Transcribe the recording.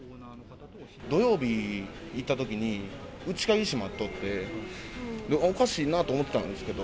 土曜日行ったときに、内鍵閉まっとって、あっ、おかしいなと思ったんですけど。